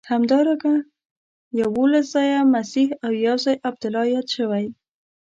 همدارنګه یوولس ځایه مسیح او یو ځای عبدالله یاد شوی.